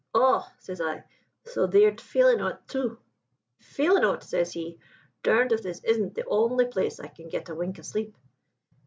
'Aw,' says I, 'so thee'rt feelin' of it, too!' 'Feelin' of it!' says he, 'durned if this isn' the awnly place I can get a wink o' sleep!'